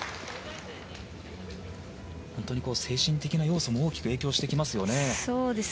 本当に精神的な要素も大きく影響してきますよね。